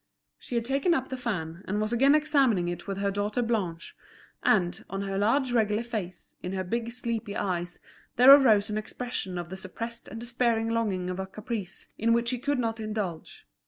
She had taken up the fan, and was again examining it with her daughter Blanche; and, on her large regular face, in her big sleepy eyes, there arose an expression of the suppressed and despairing longing of a caprice in which she could not indulge.